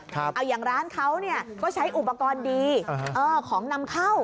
เอาอย่างร้านเขาก็ใช้อุปกรณ์ดีของนำเข้า